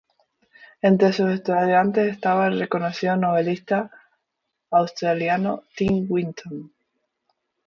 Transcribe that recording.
Entre sus estudiantes estaba el reconocido novelista australiano Tim Winton.